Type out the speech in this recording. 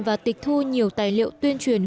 và tịch thu nhiều tài liệu tuyên truyền